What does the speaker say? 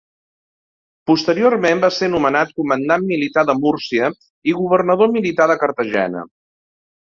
Posteriorment va ser nomenat comandant militar de Múrcia i Governador militar de Cartagena.